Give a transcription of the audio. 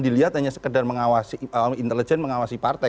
dilihat hanya sekedar mengawasi intelijen mengawasi partai